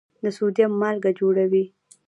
د سوډیم مالګه جوړوي.